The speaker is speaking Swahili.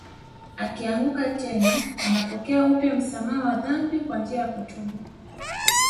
Akianguka tena anapokea upya msamaha wa dhambi kwa njia ya kutubu